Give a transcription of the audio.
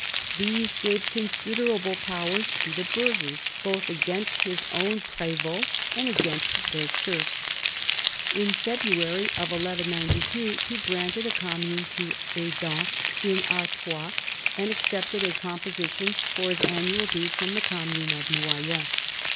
These gave considerable powers to the burghers both against his own prev6t and against their serfs. In February 1192 he granted a commune to Hesdin, in Artois, and accepted a composition for his annual dues from the commune of Noyon.